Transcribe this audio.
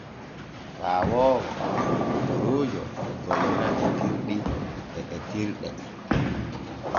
Paawoowo e lokotoroojo e gollira etirɗi e etirde.